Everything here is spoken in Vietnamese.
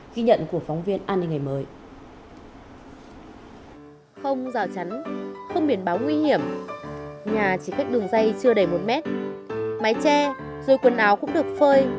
ghi nhận của phóng viên an ninh ngày mới